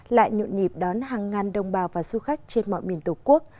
lại nhộn nhịp đón hàng ngàn đồng bào và du khách trên mọi miền tổ quốc